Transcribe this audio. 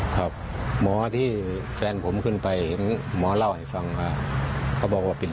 ครับหมอที่แฟนผมขึ้นไปหมอเล่าให้ฟังฮะก็บอกว่าเป็น